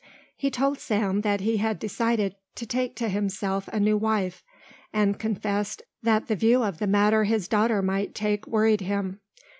He told Sam that he had decided to take to himself a new wife, and confessed that the view of the matter his daughter might take worried him.